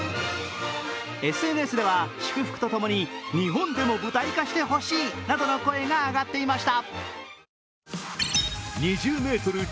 ＳＮＳでは祝福とともに日本でも舞台化してほしいなどの声が上がっていました。